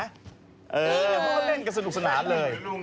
ครับเจ้าเลยเค้าเล่นกับสนุกสนานเลย